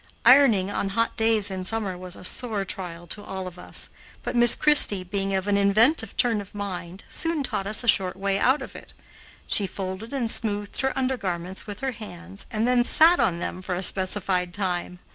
Ironing on hot days in summer was a sore trial to all of us; but Miss Christie, being of an inventive turn of mind, soon taught us a short way out of it. She folded and smoothed her undergarments with her hands and then sat on them for a specified time.